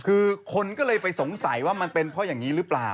คือคนก็เลยไปสงสัยว่ามันเป็นเพราะอย่างนี้หรือเปล่า